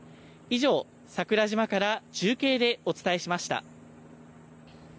以上、桜島から中継でお伝えしました。